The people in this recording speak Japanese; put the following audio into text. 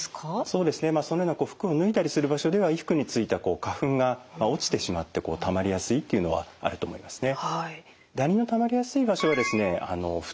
そうですねそのような服を脱いだりする場所では衣服についた花粉が落ちてしまってたまりやすいっていうのはあると思いますね。